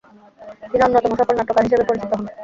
তিনি অন্যতম সফল নাট্যকার হিসেবে পরিচিত হন।